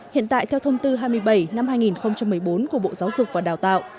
hiện tại theo thông tư hai mươi bảy năm hai nghìn một mươi bốn của bộ giáo dục và đào tạo